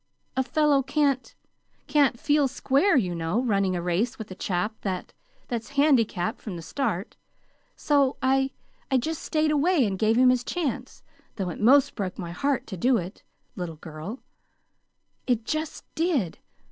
"A fellow can't can't feel square, you know, running a race with a chap that that's handicapped from the start. So I I just stayed away and gave him his chance; though it 'most broke my heart to do it, little girl. It just did!